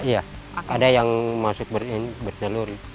iya ada yang masuk berseluruh